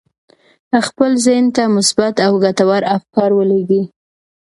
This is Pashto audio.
خپل ذهن ته مثبت او ګټور افکار ولېږئ